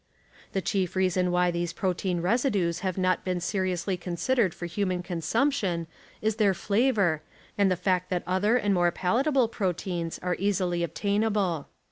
The chief reason why these protein residues have not been seriously considered for human consumjition is their flavor, and the fact that other and more palatable proteins are easily obtain able.